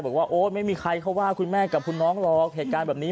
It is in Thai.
โอ๊ยไม่มีใครเขาว่าคุณแม่กับคุณน้องหรอกเหตุการณ์แบบนี้